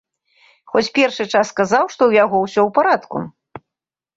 Хоць першы час казаў, што ў яго ўсё ў парадку.